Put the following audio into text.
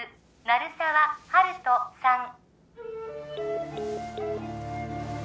鳴沢温人さん